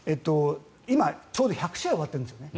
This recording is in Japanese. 今、ちょうど１００試合終わってるんですよね。